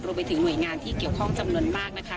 รวมไปถึงหน่วยงานที่เกี่ยวข้องจำนวนมากนะคะ